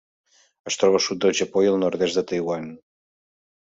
Es troba al sud del Japó i el nord-est de Taiwan.